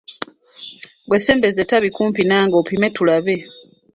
Ggwe sembeza ettabi kumpi nange opime tulabe!